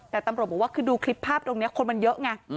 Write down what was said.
แต่ตำรวจบอกว่าคือดูคลิปภาพตรงนี้คนมันเยอะไง